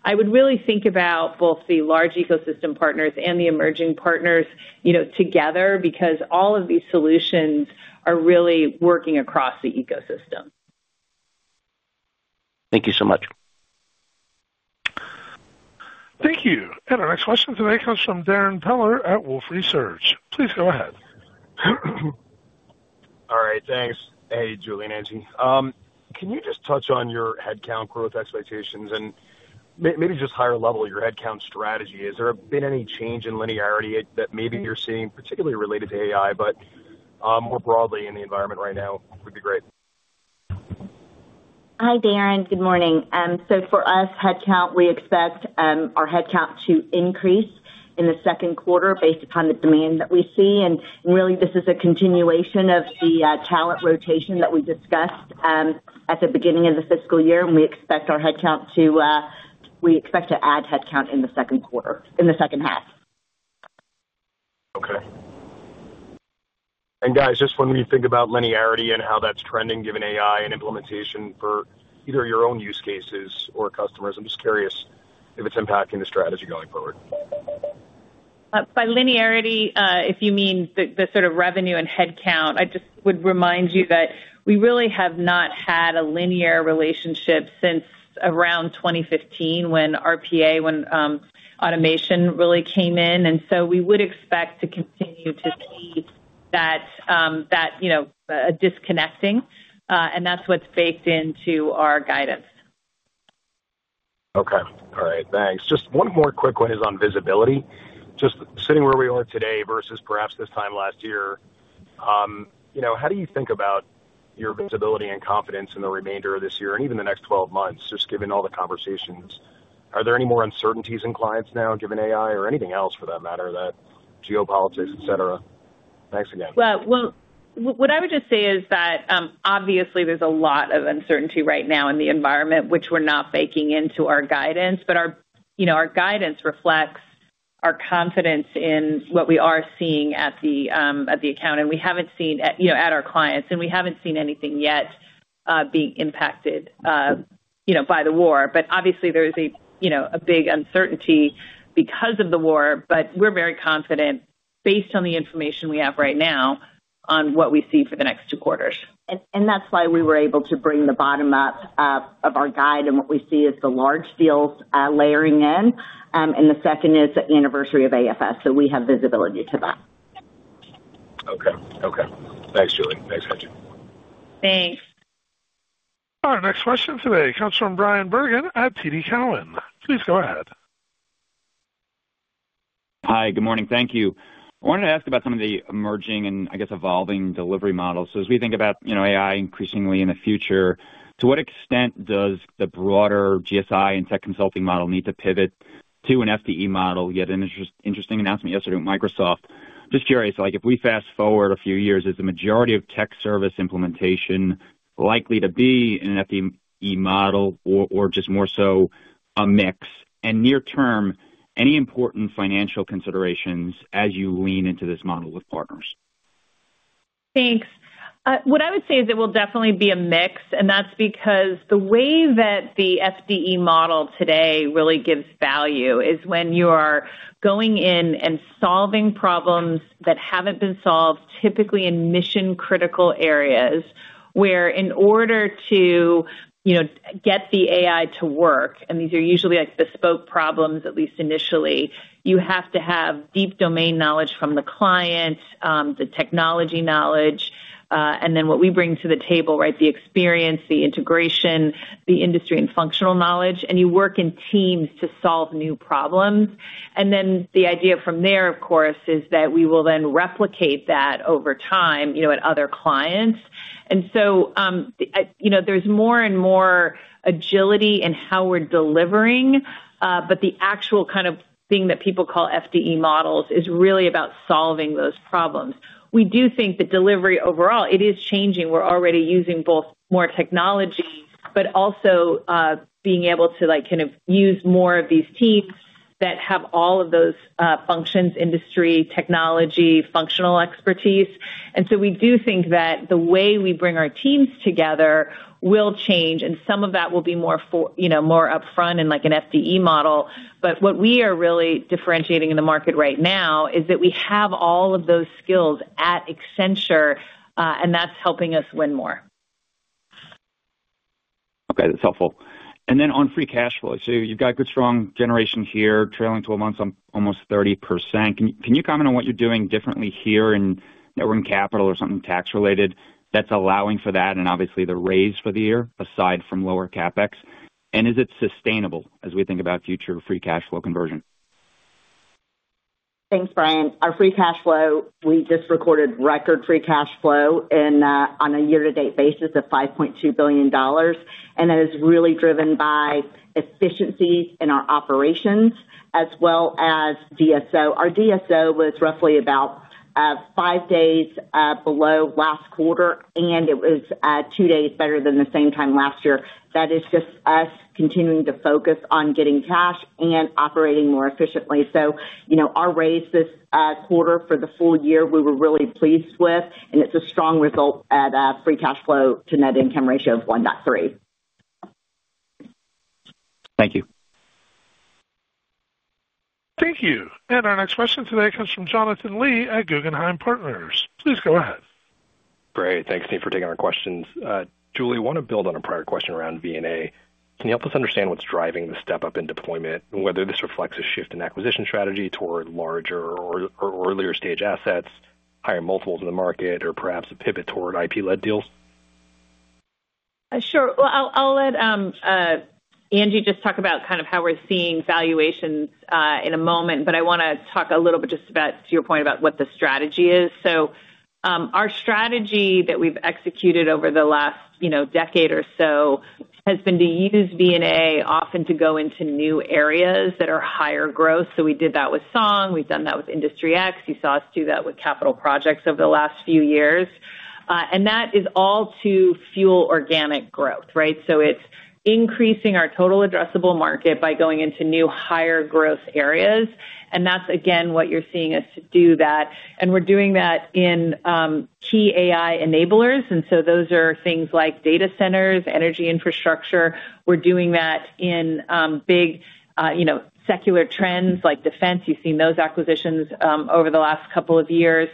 I would really think about both the large ecosystem partners and the emerging partners, you know, together, because all of these solutions are really working across the ecosystem. Thank you so much. Thank you. Our next question today comes from Darrin Peller at Wolfe Research. Please go ahead. Great. Thanks. Hey, Julie and Angie. Can you just touch on your headcount growth expectations and maybe just higher level your headcount strategy? Has there been any change in linearity that maybe you're seeing, particularly related to AI, but, more broadly in the environment right now would be great. Hi, Darrin. Good morning. So for us, headcount, we expect our headcount to increase in the second quarter based upon the demand that we see. Really this is a continuation of the talent rotation that we discussed at the beginning of the fiscal year. We expect to add headcount in the second quarter, in the second half. Okay. Guys, just when we think about linearity and how that's trending given AI and implementation for either your own use cases or customers, I'm just curious if it's impacting the strategy going forward? By linearity, if you mean the sort of revenue and headcount, I just would remind you that we really have not had a linear relationship since around 2015 when RPA, automation really came in. We would expect to continue to see that, you know, disconnecting, and that's what's baked into our guidance. Okay. All right. Thanks. Just one more quick one is on visibility. Just sitting where we are today versus perhaps this time last year, you know, how do you think about your visibility and confidence in the remainder of this year and even the next 12 months, just given all the conversations? Are there any more uncertainties in clients now given AI or anything else for that matter, that geopolitics, et cetera? Thanks again. What I would just say is that obviously there's a lot of uncertainty right now in the environment, which we're not baking into our guidance. Our, you know, guidance reflects our confidence in what we are seeing at the account. We haven't seen, you know, at our clients, and we haven't seen anything yet being impacted, you know, by the war. Obviously there's a, you know, big uncertainty because of the war, but we're very confident based on the information we have right now on what we see for the next two quarters. That's why we were able to bring the bottom up of our guide. What we see is the large deals layering in. The second is the anniversary of AFS, so we have visibility to that. Okay. Thanks, Julie. Thanks, Angie. Thanks. Our next question today comes from Bryan Bergin at TD Cowen. Please go ahead. Hi. Good morning. Thank you. I wanted to ask about some of the emerging and I guess evolving delivery models. As we think about, you know, AI increasingly in the future, to what extent does the broader GSI and tech consulting model need to pivot to an FDE model? We had an interesting announcement yesterday with Microsoft. Just curious, like if we fast-forward a few years, is the majority of tech service implementation likely to be in an FDE model or just more so a mix? Near term, any important financial considerations as you lean into this model with partners? Thanks. What I would say is it will definitely be a mix, and that's because the way that the FDE model today really gives value is when you are going in and solving problems that haven't been solved, typically in mission critical areas, where in order to, you know, get the AI to work, and these are usually like bespoke problems, at least initially. You have to have deep domain knowledge from the client, the technology knowledge, and then what we bring to the table, right? The experience, the integration, the industry and functional knowledge, and you work in teams to solve new problems. Then the idea from there, of course, is that we will then replicate that over time, you know, at other clients. you know, there's more and more agility in how we're delivering, but the actual kind of thing that people call FDE models is really about solving those problems. We do think that delivery overall, it is changing. We're already using both more technology, but also, being able to like kind of use more of these teams that have all of those, functions, industry, technology, functional expertise. we do think that the way we bring our teams together will change, and some of that will be more for, you know, more upfront and like an FDE model. what we are really differentiating in the market right now is that we have all of those skills at Accenture, and that's helping us win more. Okay, that's helpful. Then on free cash flow. You've got good strong generation here trailing 12 months on almost 30%. Can you comment on what you're doing differently here in net working capital or something tax related that's allowing for that and obviously the raise for the year aside from lower CapEx? Is it sustainable as we think about future free cash flow conversion? Thanks, Bryan. Our free cash flow, we just recorded record free cash flow in on a year-to-date basis of $5.2 billion. That is really driven by efficiencies in our operations as well as DSO. Our DSO was roughly about five days below last quarter, and it was two days better than the same time last year. That is just us continuing to focus on getting cash and operating more efficiently. You know, our raise this quarter for the full year, we were really pleased with, and it's a strong result at free cash flow to net income ratio of 1.3. Thank you. Thank you. Our next question today comes from Jonathan Lee at Guggenheim Partners. Please go ahead. Great. Thanks, Steve, for taking our questions. Julie, I want to build on a prior question around M&A. Can you help us understand what's driving the step-up in deployment and whether this reflects a shift in acquisition strategy toward larger or earlier stage assets, higher multiples in the market, or perhaps a pivot toward IP-led deals? Sure. Well, I'll let Angie just talk about kind of how we're seeing valuations in a moment, but I wanna talk a little bit just about to your point about what the strategy is. Our strategy that we've executed over the last, you know, decade or so has been to use M&A often to go into new areas that are higher growth. We did that with Song, we've done that with Industry X. You saw us do that with capital projects over the last few years. And that is all to fuel organic growth, right? It's increasing our total addressable market by going into new higher growth areas. That's again what you're seeing us do that. We're doing that in key AI enablers. Those are things like data centers, energy infrastructure. We're doing that in, big, you know, secular trends like defense. You've seen those acquisitions, over the last couple of years.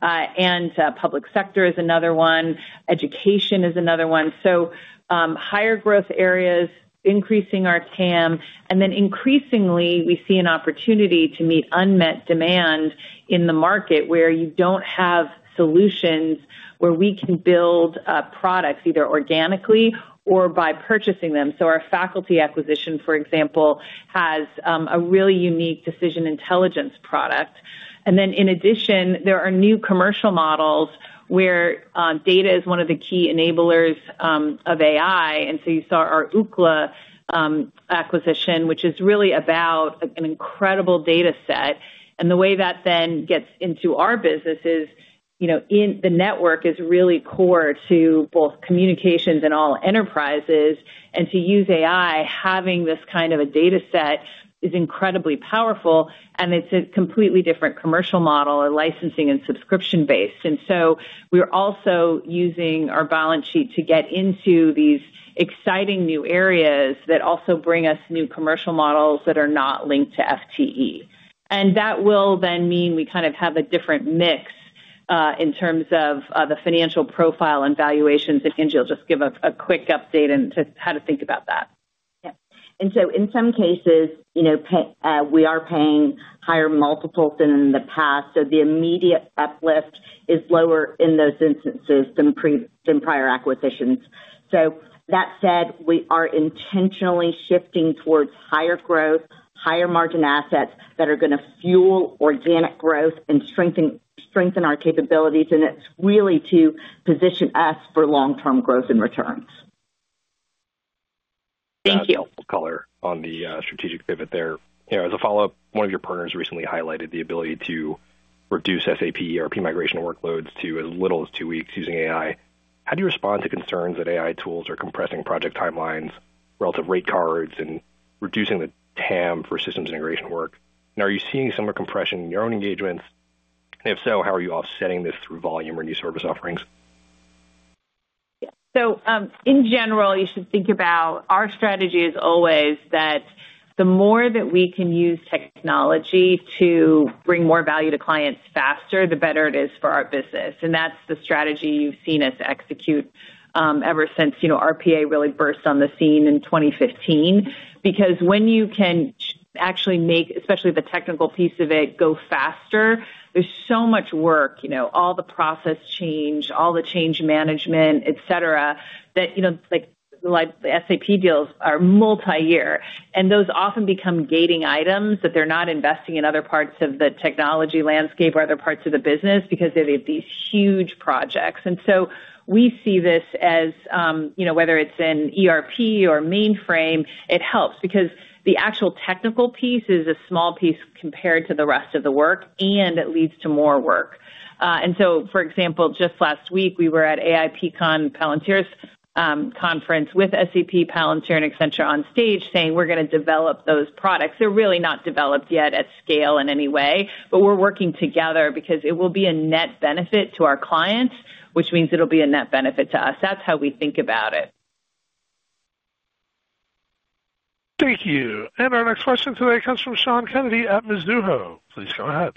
Public sector is another one. Education is another one. Higher growth areas, increasing our TAM. Increasingly, we see an opportunity to meet unmet demand in the market where you don't have solutions where we can build, products either organically or by purchasing them. Our Faculty acquisition, for example, has, a really unique decision intelligence product. In addition, there are new commercial models where, data is one of the key enablers, of AI. You saw our Ookla, acquisition, which is really about an incredible data set. The way that then gets into our business is, you know, in the network is really core to both communications and all enterprises. To use AI, having this kind of a data set is incredibly powerful, and it's a completely different commercial model or licensing and subscription base. We're also using our balance sheet to get into these exciting new areas that also bring us new commercial models that are not linked to FTE. That will then mean we kind of have a different mix, in terms of, the financial profile and valuations. If Angie will just give a quick update into how to think about that. Yeah. In some cases, you know, we are paying higher multiples than in the past. The immediate uplift is lower in those instances than prior acquisitions. That said, we are intentionally shifting towards higher growth, higher margin assets that are gonna fuel organic growth and strengthen our capabilities. It's really to position us for long-term growth and returns. Thank you. Color on the strategic pivot there. As a follow-up, one of your partners recently highlighted the ability to reduce SAP ERP migration workloads to as little as 2 weeks using AI. How do you respond to concerns that AI tools are compressing project timelines, relative rate cards, and reducing the TAM for systems integration work? And are you seeing similar compression in your own engagements? And if so, how are you offsetting this through volume or new service offerings? In general, you should think about our strategy is always that the more that we can use technology to bring more value to clients faster, the better it is for our business. That's the strategy you've seen us execute ever since, you know, RPA really burst on the scene in 2015. Because when you can actually make especially the technical piece of it go faster, there's so much work, you know, all the process change, all the change management, et cetera, that, you know, like SAP deals are multi-year. Those often become gating items that they're not investing in other parts of the technology landscape or other parts of the business because they're these huge projects. We see this as, you know, whether it's in ERP or mainframe, it helps because the actual technical piece is a small piece compared to the rest of the work, and it leads to more work. For example, just last week, we were at AIPCon, Palantir's conference with SAP, Palantir, and Accenture on stage saying we're gonna develop those products. They're really not developed yet at scale in any way, but we're working together because it will be a net benefit to our clients, which means it'll be a net benefit to us. That's how we think about it. Thank you. Our next question today comes from Sean Kennedy at Mizuho. Please go ahead.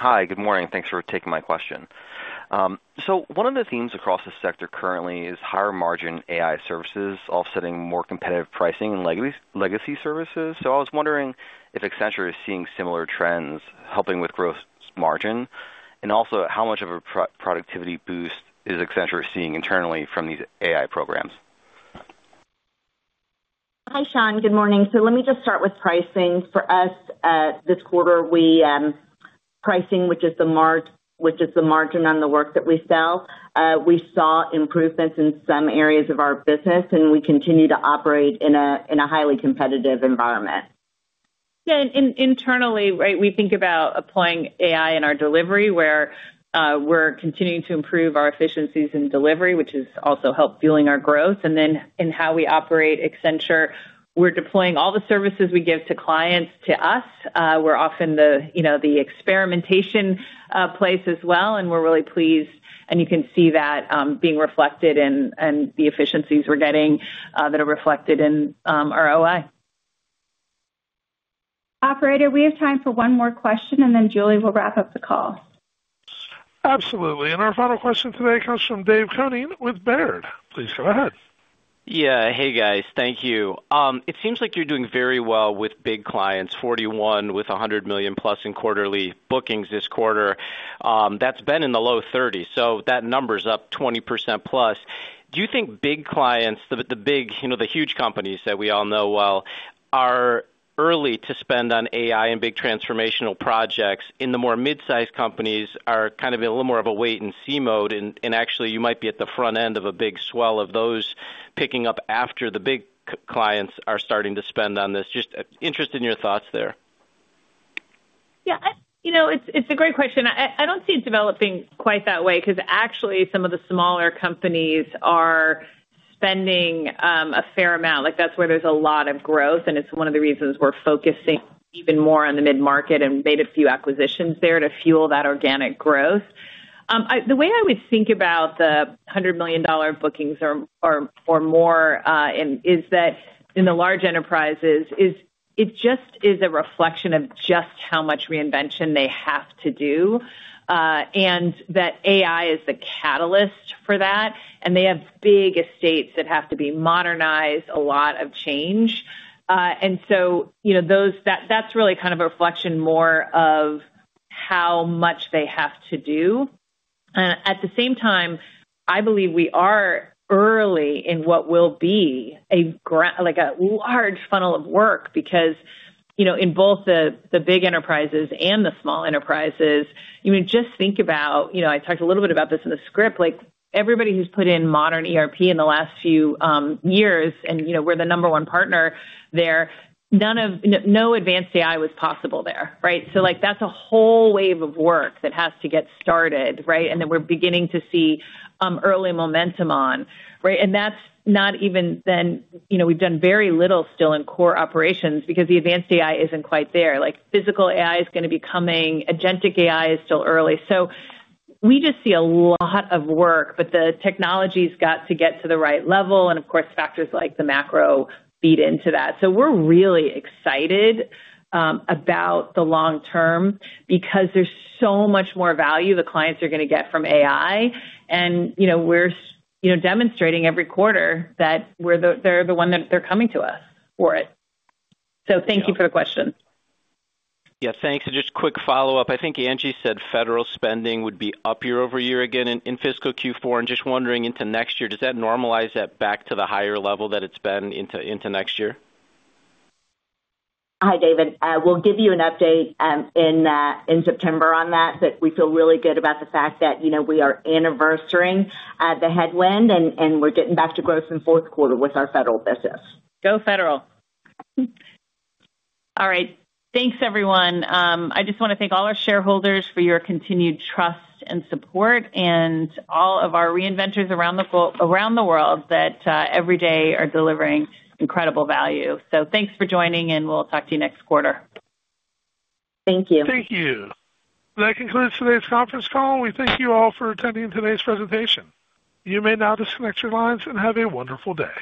Hi, good morning. Thanks for taking my question. One of the themes across the sector currently is higher margin AI services offsetting more competitive pricing in legacy services. I was wondering if Accenture is seeing similar trends helping with growth margin? How much of a productivity boost is Accenture seeing internally from these AI programs? Hi, Sean. Good morning. Let me just start with pricing. For us, this quarter, pricing, which is the margin on the work that we sell, we saw improvements in some areas of our business, and we continue to operate in a highly competitive environment. Yeah. Internally, right, we think about applying AI in our delivery, where we're continuing to improve our efficiencies in delivery, which has also helped fueling our growth. In how we operate Accenture, we're deploying all the services we give to clients to us. We're often the, you know, the experimentation place as well, and we're really pleased. You can see that being reflected in the efficiencies we're getting that are reflected in our OI. Operator, we have time for one more question, and then Julie will wrap up the call. Absolutely. Our final question today comes from David Koning with Baird. Please go ahead. Yeah. Hey, guys. Thank you. It seems like you're doing very well with big clients. 41 with $100 million+ in quarterly bookings this quarter, that's been in the low 30s. That number's up 20%+. Do you think big clients, the big, you know, the huge companies that we all know well are early to spend on AI and big transformational projects, and the more mid-sized companies are kind of in a little more of a wait-and-see mode, and actually you might be at the front end of a big swell of those picking up after the big clients are starting to spend on this? Just interested in your thoughts there. Yeah, you know, it's a great question. I don't see it developing quite that way because actually some of the smaller companies are spending a fair amount. Like, that's where there's a lot of growth, and it's one of the reasons we're focusing even more on the mid-market and made a few acquisitions there to fuel that organic growth. The way I would think about the $100 million bookings or more in the large enterprises is just a reflection of just how much reinvention they have to do, and that AI is the catalyst for that, and they have big estates that have to be modernized, a lot of change. You know, that's really kind of a reflection more of how much they have to do. At the same time, I believe we are early in what will be like a large funnel of work because, you know, in both the big enterprises and the small enterprises, you would just think about, you know, I talked a little bit about this in the script, like everybody who's put in modern ERP in the last few years and, you know, we're the number one partner there, no advanced AI was possible there, right? So, like, that's a whole wave of work that has to get started, right? Then we're beginning to see early momentum on, right? That's not even then. You know, we've done very little still in core operations because the advanced AI isn't quite there. Like, physical AI is gonna be coming. Agentic AI is still early. We just see a lot of work, but the technology's got to get to the right level, and of course, factors like the macro feed into that. We're really excited about the long term because there's so much more value the clients are gonna get from AI. You know, we're, you know, demonstrating every quarter that they're the one that they're coming to us for it. Thank you for the question. Yeah. Thanks. Just quick follow-up. I think Angie said federal spending would be up year-over-year again in fiscal Q4, and just wondering into next year, does that normalize that back to the higher level that it's been into next year? Hi, David. We'll give you an update in September on that. We feel really good about the fact that, you know, we are anniversarying the headwind and we're getting back to growth in fourth quarter with our federal business. Go federal. All right. Thanks, everyone. I just wanna thank all our shareholders for your continued trust and support and all of our reinventors around the world that every day are delivering incredible value. Thanks for joining, and we'll talk to you next quarter. Thank you. Thank you. That concludes today's conference call. We thank you all for attending today's presentation. You may now disconnect your lines and have a wonderful day.